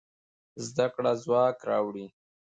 زده کړه ځواک راوړي.